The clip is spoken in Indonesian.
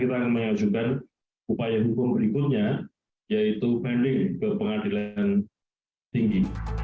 kita akan mengajukan upaya hukum berikutnya yaitu banding ke pengadilan tinggi